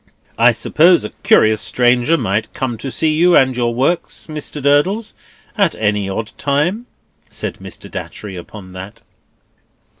"I suppose a curious stranger might come to see you, and your works, Mr. Durdles, at any odd time?" said Mr. Datchery upon that.